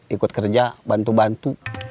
ikut kerja bantu bantu